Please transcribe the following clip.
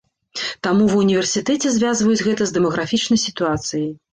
Таму ва ўніверсітэце звязваюць гэта з дэмаграфічнай сітуацыяй.